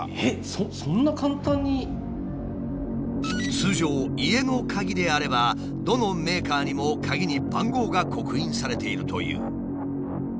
通常家の鍵であればどのメーカーにも鍵に番号が刻印されているという。